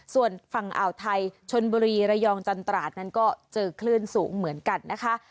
ส่วนฝั่งอ่าวไทยชนบุรีระยองจันตราดนั้นก็เจอคลื่นสูงเหมือนกันนะคะ